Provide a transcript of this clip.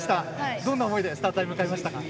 どんな思いでスターターに向かいましたか？